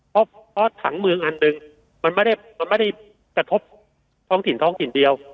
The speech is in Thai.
เพราะถังเมืองอันหนึ่งมันไม่ได้กระทบท้องถิ่นท้องถิ่นเดียว